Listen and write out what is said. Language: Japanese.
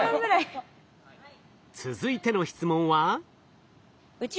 続いての質問は？